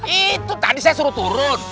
itu tadi saya suruh turun